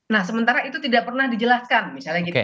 nah sementara itu tidak pernah dijelaskan misalnya gitu